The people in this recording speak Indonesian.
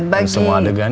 dan semua adegannya